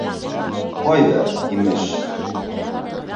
— Ҡайҙа, имеш.